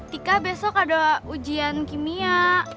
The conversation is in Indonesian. tika besok ada ujian kimia